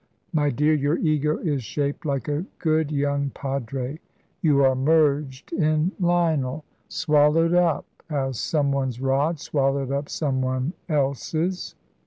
My dear, your Ego is shaped like a good young padre; you are merged in Lionel swallowed up, as some one's rod swallowed up some one else's.